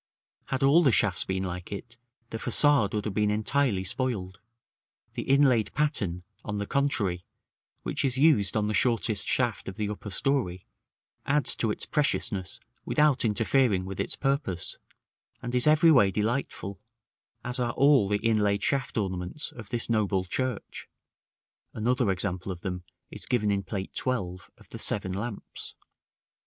Had all the shafts been like it, the façade would have been entirely spoiled; the inlaid pattern, on the contrary, which is used on the shortest shaft of the upper story, adds to its preciousness without interfering with its purpose, and is every way delightful, as are all the inlaid shaft ornaments of this noble church (another example of them is given in Plate XII. of the "Seven Lamps").